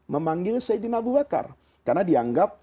memanggil sayyidina abu bakar karena dianggap